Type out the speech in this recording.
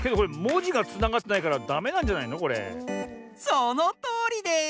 そのとおりです！